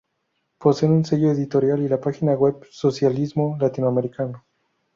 Poseen un sello editorial y la página web Socialismo Latinoamericano.